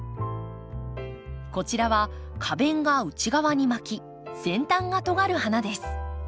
こちらは花弁が内側に巻き先端がとがる花です。